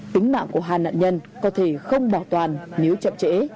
tính mạng của hai nạn nhân có thể không bảo toàn nếu chậm trễ